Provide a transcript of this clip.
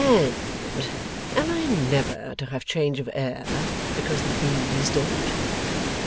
And am I never to have change of air, because the bees don't?